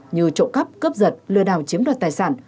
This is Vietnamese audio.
như trộm cắp cướp giật lừa đảo chiếm đoạt tài sản